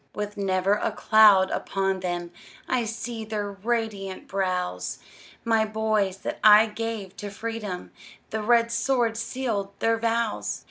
With never a cloud upon them, I see their radiant brows; My boys that I gave to freedom, The red sword sealed their vows!